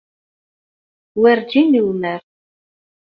Werǧin yumar.